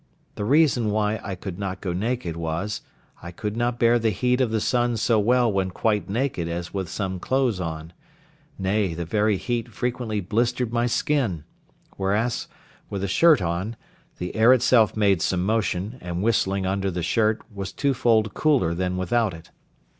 The reason why I could not go naked was, I could not bear the heat of the sun so well when quite naked as with some clothes on; nay, the very heat frequently blistered my skin: whereas, with a shirt on, the air itself made some motion, and whistling under the shirt, was twofold cooler than without it.